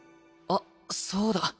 あっそうだ。